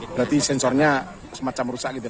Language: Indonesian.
berarti sensornya semacam rusak gitu ya